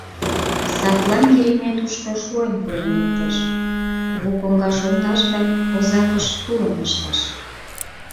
Садлан Еремей тушко шуэн пурен лектеш — кугу коҥгаш олташ да возакыш тулым пышташ.